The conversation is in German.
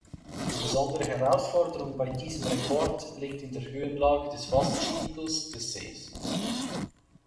Die besondere Herausforderung bei diesem Rekord liegt in der Höhenlage des Wasserspiegels des Sees.